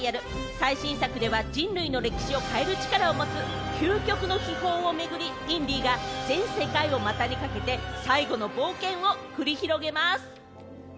最新作では人類の歴史を変える力を持つ究極の秘宝を巡り、インディが全世界を股にかけて、最後の冒険を繰り広げます。